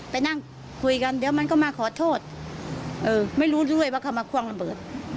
ไปนั่งคุยกันเดี๋ยวมันก็มาขอโทษไม่รู้ด้วยว่าเขามาคว่างระเบิด